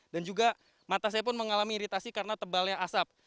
dan juga mata saya pun mengalami iritasi karena tebalnya asap